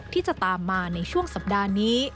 ที่จะตามมาในช่วงสัปดาห์นี้